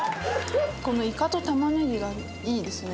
イカとタマネギがいいですね。